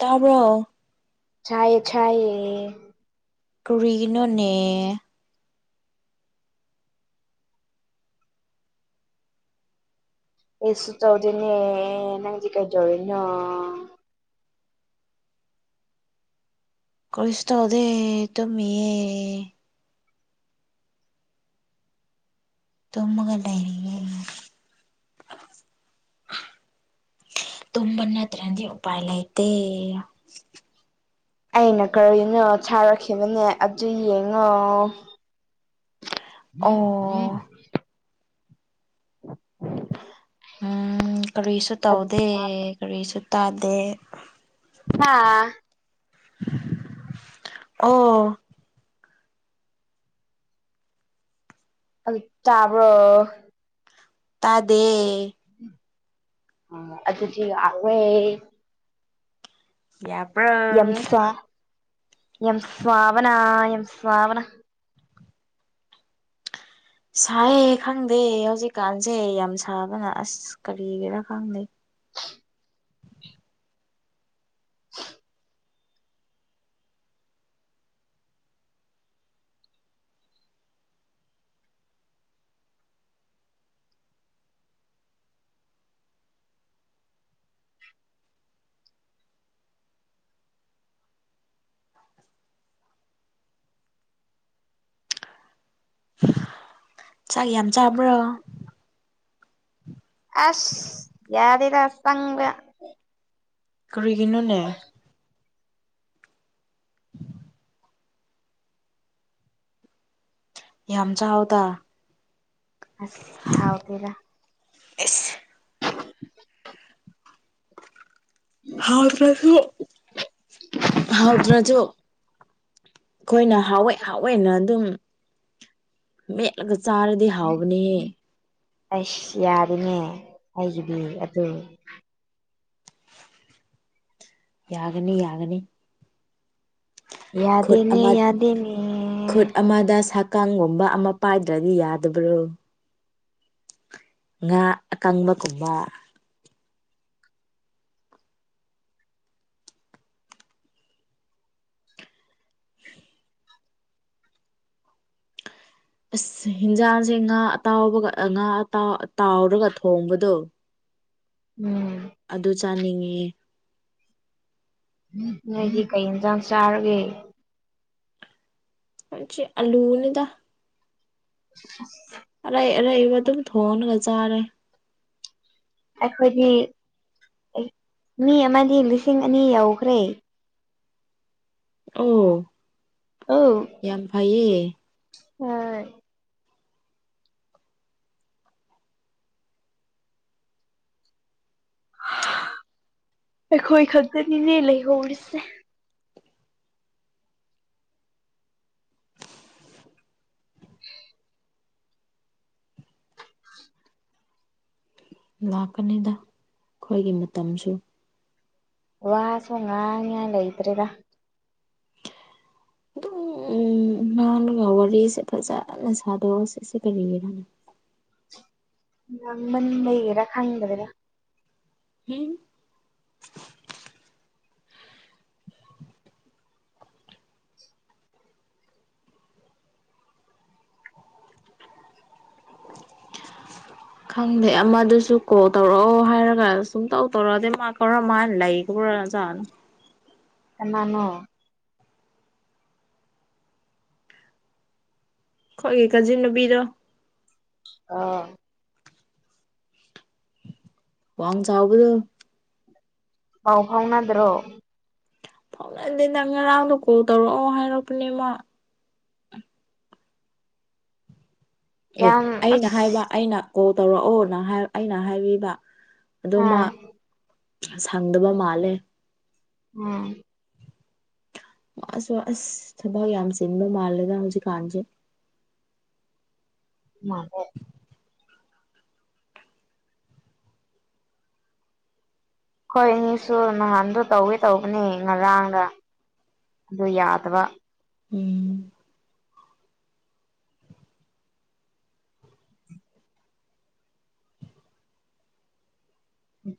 ꯇꯥꯕ꯭ꯔꯣ꯫ ꯊꯥꯏꯌꯦ ꯊꯥꯏꯌꯦ꯫ ꯀꯔꯤꯒꯤꯅꯣꯅꯦ꯫ ꯀꯩꯁꯨ ꯇꯧꯗꯦꯅꯦ ꯅꯪꯗꯤ ꯀꯩꯗꯧꯔꯤꯅꯣ꯫ ꯀꯩꯁꯨ ꯇꯧꯗꯦ ꯇꯨꯝꯃꯤꯌꯦ꯫ ꯇꯨꯝꯃꯒ ꯂꯩꯔꯤꯌꯦ꯫ ꯇꯨꯝꯕ ꯅꯠꯇ꯭ꯔꯗꯤ ꯎꯄꯥꯏ ꯂꯩꯥꯏꯇꯦ꯫ ꯑꯩꯅ ꯀꯔꯤꯅꯣ ꯊꯥꯔꯛꯈꯤꯕꯅꯦ ꯑꯗꯨ ꯌꯦꯡꯉꯣ꯫ ꯎꯝ ꯑꯣ ꯎꯝ꯫ ꯎꯝ ꯀꯔꯤꯁꯨ ꯑꯗꯨ ꯇꯧꯗꯦ ꯀꯔꯤꯁꯨ ꯇꯥꯗꯦ꯫ ꯍꯥꯥ꯫ ꯑꯣ꯫ ꯑꯗꯨ ꯇꯥꯕ꯭ꯔꯣ꯫ ꯇꯥꯗꯦ꯫ ꯑꯥ ꯑꯗꯨꯗꯤ ꯌꯥꯔꯦ꯫ ꯌꯥꯕ꯭ꯔꯣ꯫ ꯌꯥꯝ ꯁꯥ ꯌꯥꯝ ꯁꯥꯕꯅ ꯌꯥꯝ ꯁꯥꯕꯅ꯫ ꯁꯥꯏꯌꯦ ꯈꯪꯗꯦ ꯍꯧꯖꯤꯛꯀꯥꯟꯁꯦ ꯌꯥꯝ ꯁꯥꯕꯅ ꯑꯁ ꯀꯔꯤꯒꯤꯔꯥ ꯈꯪꯗꯦ꯫ ꯆꯥꯛ ꯌꯥꯝ ꯆꯥꯕ꯭ꯔꯣ꯫ ꯑꯁ ꯌꯥꯗꯦꯗꯥ ꯆꯪꯗꯥ꯫ ꯀꯔꯤꯒꯤꯅꯣꯅꯦ꯫ ꯌꯥꯝ ꯆꯥꯎꯗꯥ꯫ ꯑꯁ ꯍꯥꯎꯇꯦꯗ꯫ ꯏꯁ꯫ ꯍꯥꯎꯇ꯭ꯔꯁꯨ ꯍꯥꯎꯇ꯭ꯔꯖꯨ ꯑꯩꯈꯣꯏꯅ ꯍꯥꯎꯋꯦ ꯍꯥꯎꯋꯦꯅ ꯑꯗꯨꯝ꯫ ꯃꯦꯠꯂꯒ ꯆꯥꯔꯗꯤ ꯍꯥꯥꯎꯕꯅꯦꯍꯦ꯫ ꯑꯩꯁ ꯌꯥꯔꯦꯅꯦ ꯑꯩꯒꯤꯗꯤ ꯑꯗꯨ꯫ ꯌꯥꯒꯅꯤ ꯌꯥꯒꯅꯤ꯫ ꯈꯨꯠ ꯌꯥꯗꯦꯅꯦ ꯑꯃ ꯌꯥꯗꯦꯅꯦ꯫ ꯈꯨꯠ ꯑꯃꯗ ꯁꯥꯀꯥꯡꯒꯨꯝꯕ ꯑꯃ ꯄꯥꯏꯗ꯭ꯔꯗꯤ ꯌꯥꯗꯕ꯭ꯔꯣ꯫ ꯉꯥ ꯑꯀꯪꯕꯒꯨꯝꯕ꯫ ꯑꯁ ꯍꯤꯟꯖꯥꯡꯁꯦ ꯉꯥ ꯑꯇꯥꯎꯕꯒ ꯉꯥ ꯇꯥ ꯇꯥꯎꯔꯒ ꯊꯣꯡꯕꯗꯣ꯫ ꯎꯝ ꯑꯗꯨ ꯆꯥꯅꯤꯡꯉꯦ꯫ ꯅꯣꯏꯗꯤ ꯀꯩ ꯍꯤꯟꯖꯥꯡ ꯆꯥꯔꯒꯦ꯫ ꯆꯦ ꯑꯂꯨꯅꯤꯗ꯫ [unintelligible] ꯑꯔꯩ ꯑꯔꯩꯕ ꯑꯗꯨꯝ ꯊꯣꯡꯂꯒ ꯆꯥꯔꯦ꯫ ꯑꯩꯈꯣꯏꯗꯤ ꯃꯤ ꯑꯃꯗꯤ ꯂꯤꯁꯤꯡ ꯑꯅꯤ ꯌꯧꯈ꯭ꯔꯦ꯫ ꯎꯝ꯫ ꯑꯧ꯫ ꯌꯥꯝ ꯐꯩꯌꯦ꯫ ꯍꯣꯏ꯫ ꯑꯩꯈꯣꯏ ꯈꯛꯇꯅꯤꯅꯦ ꯂꯩꯍꯧꯔꯤꯁꯦ꯫ ꯂꯥꯛꯀꯅꯤꯗ ꯑꯩꯈꯣꯏꯒꯤ ꯃꯇꯝꯖꯨ꯫ ꯋꯥꯁꯦ ꯉꯥꯡꯅꯤꯡꯉꯥꯏ ꯂꯩꯇ꯭ꯔꯦꯗ꯫ ꯇꯨ ꯎ ꯉꯥꯡꯂꯒ ꯋꯥꯔꯤꯁꯦ ꯐꯖꯅ ꯁꯥꯗꯣꯛꯑꯣ ꯁꯤꯁꯦ ꯀꯔꯤꯒꯤꯅꯣ꯫ ꯂꯥꯡꯃꯟ ꯕꯩꯒꯤꯔꯥ ꯈꯪꯗ꯭ꯔꯦꯗꯥ꯫ ꯏ꯫ ꯈꯪꯗꯦ ꯑꯃꯗꯨꯁꯨ ꯀꯣꯜ ꯇꯧꯔꯛꯑꯣ ꯍꯥꯏꯔꯒ ꯁꯨꯡꯇꯧ ꯇꯧꯔꯛꯇꯦ ꯃꯥ ꯀꯔꯝ ꯃꯥꯏꯅ ꯂꯩ꯫ [unintelligible] ꯀꯅꯅꯣ ꯈꯣꯏꯒꯤ ꯀꯥꯖꯤꯟ ꯅꯨꯄꯤꯗꯣ ꯑꯣ ꯋꯥꯡ ꯆꯥꯎꯕꯗꯣ ꯄꯥꯎ ꯐꯥꯎꯅꯗ꯭ꯔꯣ ꯐꯥꯎꯅꯗꯦ ꯅꯪ ꯉꯔꯥꯡꯗꯣ ꯀꯣꯜ ꯇꯧꯔꯛꯑꯣ ꯍꯥꯏꯔꯛꯄꯅꯦ ꯃꯥ ꯑꯦ ꯌꯥꯝ ꯑꯩꯅ ꯑꯁ ꯍꯥꯏꯕ ꯑꯩꯅ ꯀꯣꯜ ꯇꯧꯔꯛꯑꯣꯅ ꯍꯥꯢ ꯑꯩꯅ ꯍꯥꯏꯕꯤꯕ ꯑꯗꯨꯝ ꯃꯥ ꯑꯥ ꯁꯪꯗꯕ ꯃꯥꯜꯂꯦ ꯎꯝ ꯑꯁ ꯋꯥ ꯑꯁ ꯊꯕꯛ ꯌꯥꯝ ꯆꯤꯟꯕ ꯃꯥꯜꯂꯦꯗ ꯍꯧꯖꯤꯛꯀꯥꯟꯁꯦ ꯃꯥꯜꯂꯦ ꯈꯣꯏ ꯏꯅꯤꯁꯨ ꯅꯍꯥꯟꯗꯣ ꯇꯧꯒꯦ ꯇꯧꯕꯅꯦ ꯉꯔꯥꯡꯗ ꯑꯗꯨ ꯌꯥꯗꯕ ꯎꯝ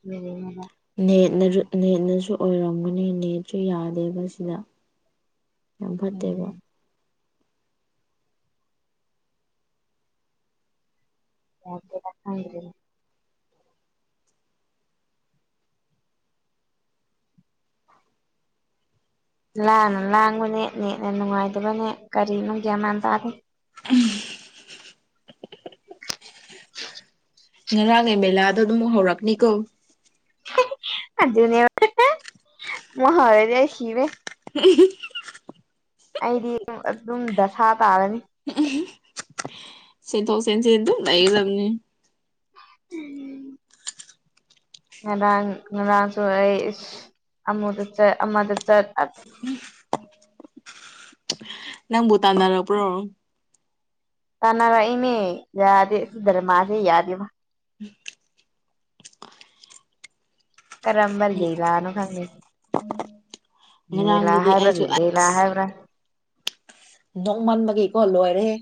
ꯀꯩꯗꯧꯅꯕ ꯅꯦꯠꯅꯖꯨ ꯅꯦꯠꯅꯁꯨ ꯑꯣꯏꯔꯝꯒꯅꯤ ꯅꯦꯠꯁꯨ ꯌꯥꯗꯦꯕ ꯁꯤꯗ ꯌꯥꯝ ꯐꯠꯇꯦꯕꯣ ꯎꯝ [unintelligible] ꯂꯥꯟꯅ ꯂꯥꯡꯕꯅꯦ ꯅꯦꯠꯅ ꯅꯨꯡꯉꯥꯏꯇꯕꯅꯦ ꯀꯔꯤꯅꯣ ꯒ꯭ꯌꯥꯟ ꯃꯥꯟ ꯇꯥꯗꯦ [unintelligible] ꯉꯔꯥꯡ ꯅ ꯃꯦꯂꯥꯗꯣ ꯗꯨꯝ ꯍꯧꯔꯛꯅꯤꯀꯣ [unintelligible] [unintelligible] ꯑꯩꯗꯤ ꯗꯨꯝ ꯑꯗꯨꯝ ꯗꯁꯥ ꯇꯥꯔꯅꯤ [unintelligible] ꯆꯤꯟꯊꯣꯛ ꯆꯦꯟꯁꯤꯟ ꯗꯨꯝ ꯂꯩꯒꯗꯝꯅꯦ ꯎꯝ ꯎꯝ ꯉꯔꯥꯡ ꯉꯔꯥꯡꯁꯨ ꯑꯩ ꯏꯁ ꯑꯃꯗ ꯆꯠ ꯑꯃꯗ ꯆꯠ ꯑꯁ ꯅꯪꯕꯨ ꯨꯇꯥꯟꯅꯔꯛꯄ꯭ꯔꯣ ꯇꯥꯟꯅꯔꯛꯏꯅꯦ ꯌꯥꯗꯦ ꯗꯔꯃꯥꯁꯦ ꯌꯥꯗꯦ ꯃꯥ [inaudible] ꯀꯔꯝꯕ ꯎꯝ ꯂꯤꯂꯥꯅꯣ ꯈꯪꯗꯦ ꯂꯤꯂꯥ ꯉꯔꯥꯡꯗꯨꯗꯤ ꯍꯥꯏꯕ꯭ꯔꯥ ꯑꯩꯁꯨ ꯂꯦꯂꯥ ꯍꯥꯏꯕ꯭ꯔꯥ ꯅꯣꯛꯃꯟꯕꯒꯤꯀꯣ ꯂꯣꯏꯔꯦꯍꯦ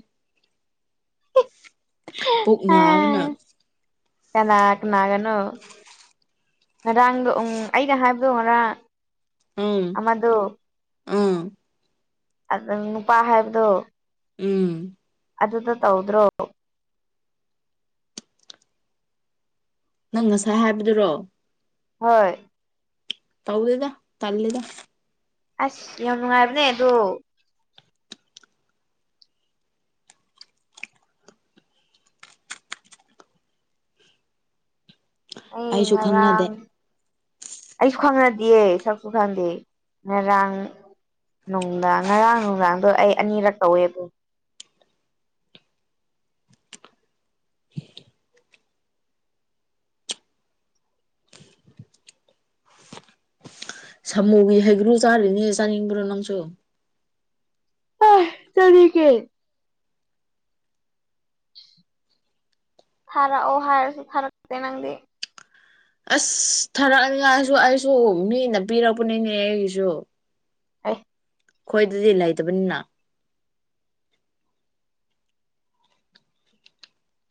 ꯄꯨꯛ ꯅꯕꯅ ꯀꯅꯥ ꯀꯅꯥꯒꯅꯣ ꯉꯔꯥꯡꯗꯣ ꯎꯝ ꯑꯩꯅ ꯍꯥꯏꯕꯗꯣ ꯉꯔꯥꯡ ꯎꯝ ꯑꯗꯣ ꯎꯝ ꯑꯗꯨ ꯅꯪ ꯅꯨꯄꯥ ꯍꯥꯏꯕꯗꯣ ꯎꯝ ꯑꯗꯨꯗ ꯇꯧꯗ꯭ꯔꯣꯕꯨ ꯅꯪ ꯉꯁꯥꯏ ꯍꯥꯏꯕꯗꯨꯔꯣ ꯍꯣꯏ ꯇꯧꯗꯦꯗ ꯇꯜꯂꯤꯗ ꯑꯁ ꯌꯥꯝ ꯅꯨꯡꯉꯥꯏꯕꯅꯦ ꯑꯗꯣ ꯃꯤ ꯑꯩꯁꯨ ꯈꯪꯅꯗꯦ ꯉꯔꯥꯡ ꯑꯩꯁꯨ ꯈꯪꯅꯗꯤꯌꯦ ꯁꯛꯁꯨ ꯈꯪꯗꯦ ꯉꯔꯥꯡ ꯅꯨꯡꯗꯥꯡ ꯉꯔꯥꯡ ꯅꯨꯡꯗꯥꯡꯗꯣ ꯑꯩ ꯑꯅꯤꯔꯛ ꯇꯧꯋꯦꯕ ꯁꯥꯃꯨꯒꯤ ꯍꯩꯒ꯭ꯔꯨ ꯆꯥꯔꯤꯅꯦ ꯆꯥꯅꯤꯡꯕ꯭ꯔꯣ ꯅꯪꯁꯨ ꯆꯅꯤꯡꯉꯦ ꯊꯥꯔꯛꯑꯣ ꯍꯥꯏꯔꯁꯨ ꯊꯥꯔꯛꯇꯦ ꯅꯪꯗꯤ ꯑꯁ ꯊꯥꯔꯛꯅꯤꯡꯉꯥꯁꯨ ꯑꯩꯁꯨ ꯃꯤꯅ ꯄꯤꯔꯛꯄꯅꯤꯅꯦ ꯑꯩꯒꯤꯁꯨ ꯑꯩ ꯈꯣꯏꯗꯗꯤ ꯂꯩꯇꯕꯅꯤꯅ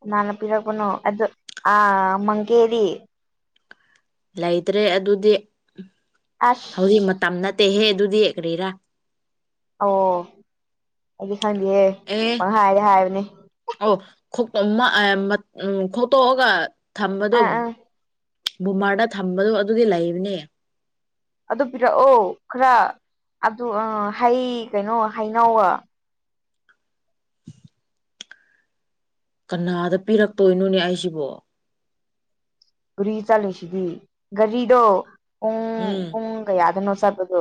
ꯀꯅꯥꯅ ꯄꯤꯔꯛꯄꯅ ꯑꯗꯨ ꯑꯥ ꯃꯪꯒꯦꯗꯤ ꯂꯩꯇ꯭ꯔꯦ ꯑꯗꯨꯗꯤ ꯍꯧꯖꯤꯛ ꯑꯁ ꯃꯇꯝ ꯅꯠꯇꯦꯍꯦ ꯑꯗꯨꯗꯤ ꯀꯔꯤꯔꯥ ꯑꯣ ꯑꯩꯗꯤ ꯈꯪꯗꯦꯍꯦ ꯄꯪꯥꯍꯥꯏ ꯍꯥꯏꯕꯅꯤ ꯑꯣ ꯈꯣꯛꯇꯣꯛꯑꯒ ꯊꯝꯕꯗꯣ ꯑꯥ ꯑꯥ ꯕꯨꯝꯕꯔꯗ ꯊꯝꯕꯗꯣ ꯑꯗꯨꯗꯤ ꯂꯩꯕꯅꯦ ꯑꯗꯨ ꯄꯤꯔꯛꯑꯣ ꯈꯔ ꯑꯗꯨ ꯍꯩ ꯀꯩꯅꯣ ꯍꯩꯅꯧꯒ ꯀꯅꯥꯗ ꯄꯤꯔꯛꯇꯣꯏꯅꯣꯅꯦ ꯑꯩꯁꯤꯕꯣ ꯒꯥꯔꯤ ꯆꯠꯂꯨꯏꯁꯤꯗꯤ ꯒꯥꯔꯤꯗꯣ ꯄꯨꯡ ꯎꯝ ꯄꯨꯡ ꯀꯌꯥꯗꯅꯣ ꯆꯠꯄꯗꯣ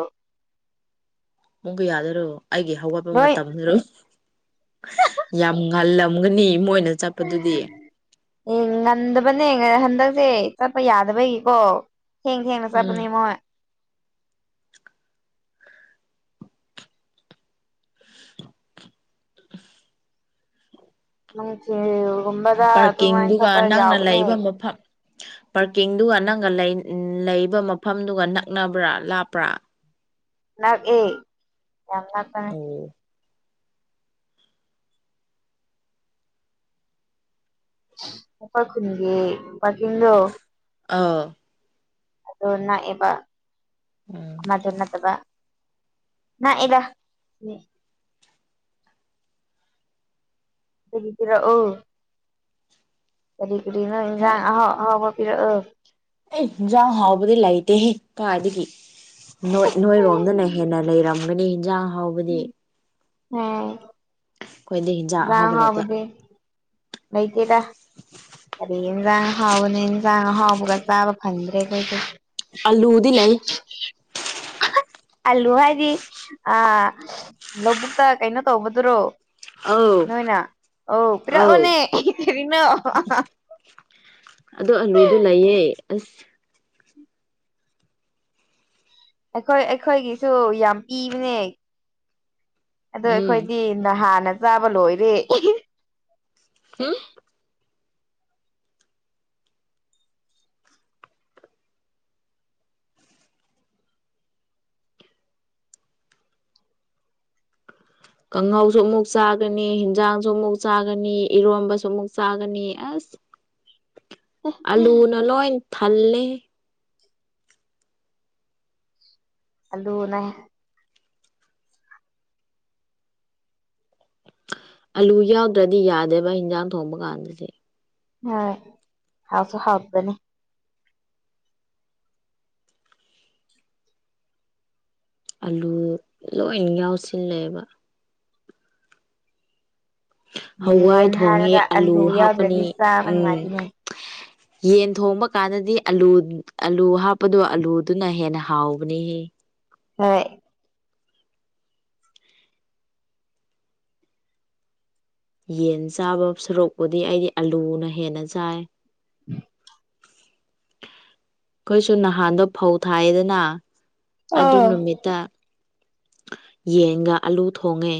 ꯄꯨꯡ ꯀꯌꯥꯗꯔꯣ ꯑꯩꯒꯤ ꯍꯧꯒꯠꯄ ꯅꯣꯏ ꯃꯇꯝꯗꯨꯔꯣ ꯌꯥꯝ ꯉꯥꯜꯂꯝꯒꯅꯤ ꯃꯣꯏꯅ ꯆꯠꯄꯗꯨꯗꯤ ꯉꯟꯗꯕꯅꯦ ꯍꯟꯗꯛꯁꯦ ꯆꯠꯄ ꯌꯥꯗꯕꯩꯒꯤꯀꯣ ꯊꯦꯡꯅ ꯊꯦꯡꯅ ꯎꯝ ꯆꯠꯄꯅꯦ ꯃꯣꯏ ꯅꯨꯡꯊꯤꯜꯒꯨꯝꯕ ꯄꯥꯔꯀꯤꯡꯗꯨꯒ ꯅꯪꯅ ꯂꯩꯕ ꯃꯐꯝ ꯄꯥꯔꯀꯤꯡꯗꯨꯒ ꯅꯪꯒ ꯂꯩꯕ ꯃꯐꯝꯗꯨꯒ ꯅꯛꯅꯕ꯭ꯔꯥ ꯂꯥꯞꯄ꯭ꯔꯥ ꯅꯛꯌꯦ ꯌꯥꯝ ꯅꯛꯄꯅꯦ ꯑꯣ ꯑꯩꯈꯣꯏ ꯈꯨꯟꯒꯤ ꯄꯥꯛꯀꯤꯡꯗꯣ ꯑꯧ ꯑꯗꯣ ꯅꯛꯌꯦꯕ ꯎꯝ ꯃꯥꯗꯣ ꯅꯠꯇꯕ ꯅꯛꯌꯦꯗ ꯑꯗꯨꯗꯤ ꯄꯤꯔꯛꯑꯣ ꯀꯔꯤ ꯀꯔꯤꯅꯣ ꯍꯣꯏ ꯏꯟꯁꯥꯡ ꯑꯍꯥꯎ ꯑꯍꯥꯎꯕ ꯄꯤꯔꯛꯑꯣ ꯑꯦ ꯌꯦꯟꯁꯥꯡ ꯍꯥꯎꯕꯗꯤ ꯂꯩꯇꯦꯍꯦ ꯀꯥꯏꯗꯒꯤ ꯅꯣꯏꯔꯣꯝꯗꯅ ꯎꯝ ꯍꯦꯟꯅ ꯂꯩꯔꯝ ꯍꯥꯎꯕꯅꯤ ꯍꯤꯟꯁꯥꯡ ꯍꯥꯎꯕꯗꯤ ꯑꯪ ꯑꯩꯈꯣꯏꯗꯤ ꯏꯟꯁꯥꯡ ꯑꯍꯥꯎꯕ ꯂꯩꯇꯦ ꯂꯩꯇꯦꯗ ꯑꯩ ꯏꯟꯁꯥꯡ ꯑꯍꯥꯎꯕꯅꯦ ꯏꯟꯁꯥꯡ ꯑꯍꯥꯎꯕꯒ ꯆꯥꯕ ꯐꯪꯗ꯭ꯔꯦ ꯑꯩꯈꯣꯏꯁꯦ ꯑꯂꯨꯗꯤ ꯂꯩ ꯑꯂꯨ ꯍꯥꯏꯗꯤ ꯑꯤ ꯂꯧꯕꯨꯛꯇ ꯀꯩꯅꯣ ꯇꯧꯕꯗꯨꯔꯣ ꯑꯧ ꯅꯣꯏꯅ ꯑꯣ ꯑꯧ ꯄꯤꯔꯛꯑꯣꯅꯦ ꯀꯔꯤꯅꯣ ꯑꯗꯨ ꯑꯂꯨꯗꯨ ꯂꯩꯌꯦ ꯑꯁ ꯑꯩꯈꯣꯏ ꯑꯩꯈꯣꯏꯒꯤꯁꯨ ꯌꯥꯝ ꯄꯤꯕꯅꯦ ꯑꯗꯣ ꯎꯝ ꯑꯩꯈꯣꯏꯗꯤ ꯅꯍꯥꯟꯅ ꯆꯥꯕ ꯂꯣꯏꯔꯦ ꯍꯨꯝ ꯀꯥꯡꯍꯧꯁꯨ ꯑꯃꯨꯛ ꯆꯥꯒꯅꯤ ꯏꯟꯖꯁꯥꯡꯁꯨ ꯑꯃꯨꯛ ꯆꯥꯒꯅꯤ ꯏꯔꯣꯟꯕꯁꯨ ꯑꯃꯨꯛ ꯆꯥꯒꯅꯤ ꯑꯁ [unintelligible] ꯑꯂꯨꯅ ꯂꯣꯏ ꯊꯜꯂꯦ ꯑꯂꯨꯅꯦ꯫ [unintelligible] ꯑꯂꯨ ꯌꯥꯎꯗ꯭ꯔꯗꯤ ꯌꯥꯗꯦꯕ ꯍꯤꯟꯖꯥꯡ ꯊꯣꯡꯕ ꯀꯥꯟꯗꯗꯤ꯫ ꯍꯣꯏ ꯍꯥꯎꯁꯨ ꯍꯥꯎꯄꯅꯦ [unintelligible] ꯑꯂꯨ ꯂꯣꯏꯟ ꯌꯥꯎꯁꯤꯜꯂꯦꯕ꯫ ꯍꯋꯥꯏ ꯌꯦꯟ ꯊꯣꯡꯉꯦ ꯍꯥꯏꯔꯒ ꯑꯂꯨ ꯍꯥꯞꯀꯅꯤ ꯌꯥꯎꯗ꯭ꯔꯗꯤ ꯆꯥꯕ ꯎꯝ꯫ ꯅꯨꯡꯉꯥꯏꯇꯦꯅꯦ ꯌꯦꯟ ꯊꯣꯡꯕ ꯀꯥꯟꯗꯗꯤ ꯑꯂꯨ ꯑꯂꯨ ꯍꯥꯞꯄꯗꯣ ꯑꯂꯨꯗꯨꯅ ꯍꯦꯟꯅ ꯍꯥꯎꯕꯅꯤꯍꯦ꯫ ꯍꯣꯏ꯫ ꯌꯦꯟ ꯆꯥꯕ ꯁꯔꯨꯛꯄꯨꯗꯤ ꯑꯩꯗꯤ ꯑꯂꯨꯅ ꯍꯦꯟꯅ ꯆꯥꯏ꯫ [inaudible] ꯑꯩꯈꯣꯏꯁꯨ ꯅꯍꯥꯟꯗꯣ ꯐꯧ ꯊꯥꯏꯑꯦꯗꯅ ꯑꯗꯨ ꯑꯥ ꯅꯨꯃꯤꯠꯇ ꯌꯦꯟꯒ ꯑꯂꯨ ꯊꯣꯡꯉꯦ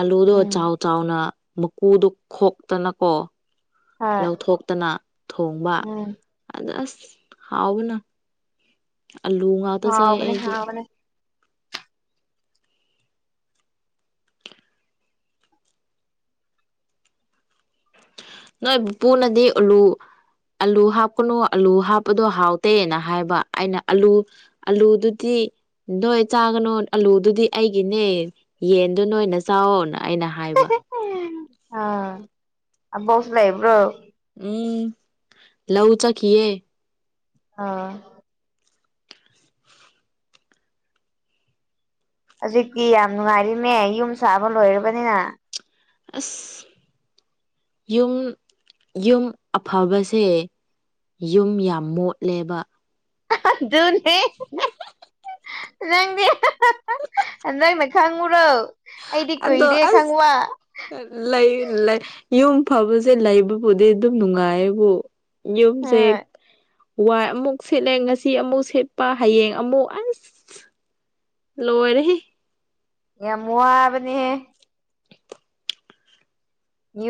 ꯑꯂꯨꯗꯣ ꯎꯝ ꯆꯥꯎ ꯆꯥꯎꯅ ꯃꯀꯨꯗꯨ ꯈꯣꯛꯇꯅꯀꯣ ꯍꯣꯏ ꯂꯧꯊꯣꯛꯇꯅ ꯊꯣꯡꯕ ꯎꯝ ꯑꯗ ꯑ꯭ꯁ ꯍꯥꯎꯕꯅ ꯑꯂꯨ ꯉꯥꯛꯇ ꯆꯥꯏ ꯍꯥꯎꯕꯅꯦ ꯑꯩꯗꯤ꯫ ꯍꯥꯎꯕꯅꯦ ꯅꯣꯏ ꯄꯨꯄꯨꯨꯅꯗꯤ ꯑꯂꯨ ꯑꯂꯨ ꯍꯥꯞꯀꯅꯨ ꯑꯂꯨ ꯍꯥꯞꯄꯗꯣ ꯍꯥꯎꯇꯦꯅ ꯍꯥꯏꯕ ꯑꯩꯅ ꯑꯂꯨ ꯑꯂꯨꯗꯨꯗꯤ ꯅꯣꯏ ꯆꯥꯒꯅꯨ ꯑꯂꯨꯗꯨꯗꯤ ꯑꯩꯒꯤꯅꯦ ꯌꯦꯟꯗꯨ ꯅꯣꯏꯅ ꯆꯥꯋꯣꯅ ꯑꯩꯅ ꯍꯥꯏꯕ ꯍꯩ [unintelligible] ꯑ ꯑꯕꯣꯛꯁꯨ ꯂꯩꯕ꯭ꯔꯣ ꯎꯝ ꯂꯧ ꯆꯠꯈꯤꯌꯦ ꯑꯥ ꯍꯧꯖꯤꯛꯇꯤ ꯌꯥꯝ ꯅꯨꯡꯉꯥꯏꯔꯤꯅꯦ ꯌꯨꯝ ꯁꯥꯕ ꯂꯣꯏꯔꯕꯅꯤꯅ꯫ ꯑ꯭ꯁ ꯌꯨꯝ ꯌꯨꯝ ꯑꯐꯕꯁꯦ ꯌꯨꯝ ꯌꯥꯝ ꯃꯣꯠꯂꯦꯕ ꯑꯗꯨꯅꯦ ꯅꯪꯗꯤ ꯅꯪꯅ ꯈꯪꯕ꯭ꯔꯣ ꯑꯗꯣ ꯑ꯭ꯁ ꯂꯩ ꯂꯩ ꯌꯨꯝ ꯐꯕꯁꯦ ꯂꯩꯕꯕꯨꯗꯤ ꯑꯗꯨꯝ ꯅꯨꯡꯉꯥꯏꯌꯦꯕꯨ ꯌꯨꯝꯁꯦ ꯋꯥꯏ ꯑꯃꯨꯛ ꯁꯤꯠꯂꯦ ꯉꯁꯤ ꯑꯃꯨꯛ ꯁꯤꯠꯄ ꯍꯌꯦꯡ ꯑꯃꯨꯛ ꯑ꯭ꯁ ꯂꯣꯏꯔꯦꯍꯦ ꯌꯥꯝ ꯋꯥꯕꯅꯤꯍꯦ ꯌꯨꯝ